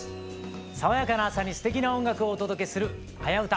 爽やかな朝にすてきな音楽をお届けする「はやウタ」